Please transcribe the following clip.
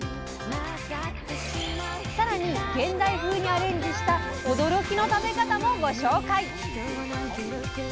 さらに現代風にアレンジした驚きの食べ方もご紹介！